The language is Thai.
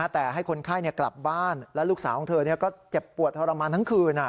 แต่ให้คนไข้กลับบ้านและลูกสาวของเธอก็เจ็บปวดทรมานทั้งคืน